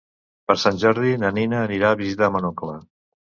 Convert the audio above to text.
Per Sant Jordi na Nina anirà a visitar mon oncle.